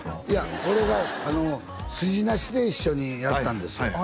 いや俺が「スジナシ」で一緒にやったんですよ